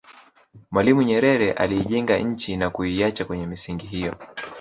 mwalimu nyerere aliijenga nchi na kuiacha kwenye misingi hiyo